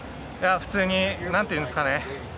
普通になんていうんですかね。